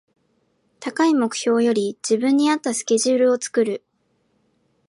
高い目標より自分に合ったスケジュールを作る